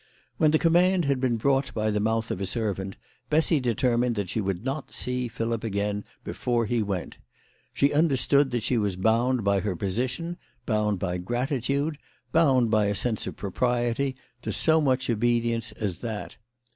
When the command had been brought by the mouth of a servant, Bessy determined that she would not see Philip again before he went. She understood that she was bound by her position, bound by gratitude, bound by a sense of propriety, to so much obedience as that.